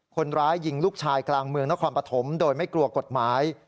คนร้ายยิงลูกชายกลางเมืองนครปฐมโดยไม่กลัวกฎหมาย